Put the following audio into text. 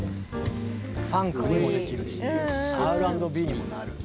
ファンクにもできるしＲ＆Ｂにもなる。